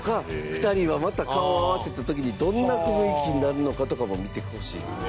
２人は、また顔を合わせた時にどんな雰囲気になるのかとかも見てほしいですね。